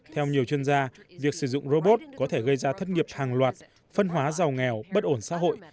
theo nhiều chuyên gia việc sử dụng robot có thể gây ra thất nghiệp hàng loạt phân hóa giàu nghèo bất ổn xã hội